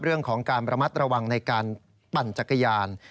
เรื่องของการระมัดระวังในการปั่นจักรยาน